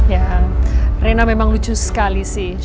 ya reina memang lucu sekali sih